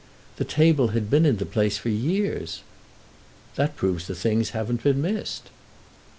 "The table had been in the place for years." "That proves the things haven't been missed."